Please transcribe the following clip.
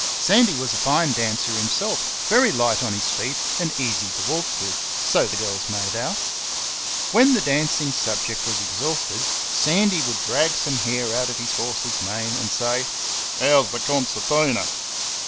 Sandy was a fine dancer himself, very light on his feet and easy to waltz with so the girls made out. When the dancing subject was exhausted Sandy would drag some hair out of his horse's mane and say, "How's the concertina?"